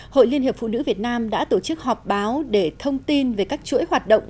hội liên hiệp phụ nữ việt nam đã tổ chức họp báo để thông tin về các chuỗi hoạt động